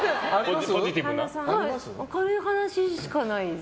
明るい話しかないです。